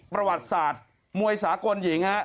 ประวัติศาสตร์มวยสากลหญิงฮะ